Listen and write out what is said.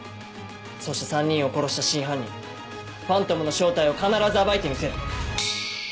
そして３人を殺した真犯人ファントムの正体を必ず暴いてみせる！